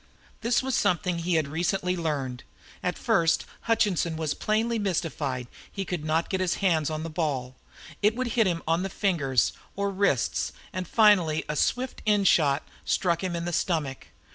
This was something he had recently learned. At first Hutchinson was plainly mystified he could not get his hands on the ball. It would hit him on the fingers or wrists, and finally a swift in shoot struck him in the stomach.